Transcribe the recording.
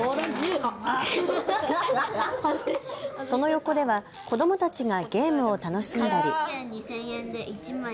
その横では子どもたちがゲームを楽しんだり。